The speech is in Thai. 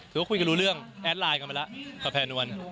คือเขาคุยกันรู้เรื่องแอดไลน์กันไปแล้วกับแฟนนวล